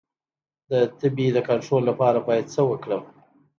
د تبې د کنټرول لپاره باید څه وکړم؟